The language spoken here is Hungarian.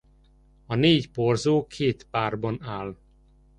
A négy porzó két párban áll.